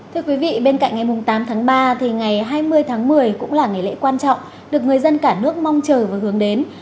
thưa quý vị bên cạnh ngày tám tháng ba thì ngày hai mươi tháng một mươi cũng là ngày lễ quan trọng được người dân cả nước mong chờ và hướng đến